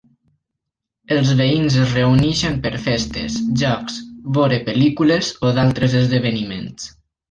Els veïns es reuneixen per festes, jocs, veure pel·lícules o d'altres esdeveniments.